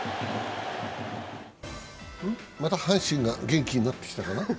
また阪神が元気になってきたかな？